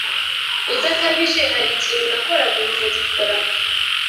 udakabije harikintu nakoraga ubu ntagikora?"